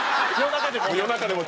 夜中でも？